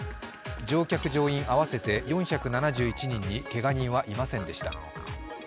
乗客・乗員合わせて４７１人にけが人はいませんでした。